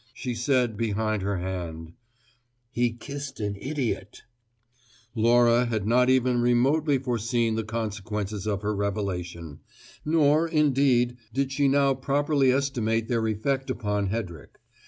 She said, behind her hand: "He kissed an idiot." Laura had not even remotely foreseen the consequences of her revelation, nor, indeed, did she now properly estimate their effect upon Hedrick.